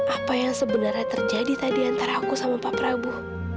apa yang sebenarnya terjadi tadi antara aku sama pak prabu